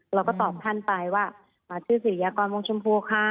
เราก็ตอบท่านไปว่าชื่อศิริยากรวงชมพูค่ะ